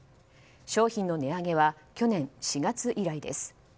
商品の値上げは去年４月以来です。